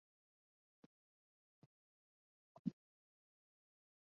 以色列体育是以色列民族文化的重要组成部分。